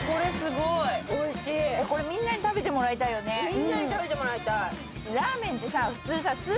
みんなに食べてもらいたい。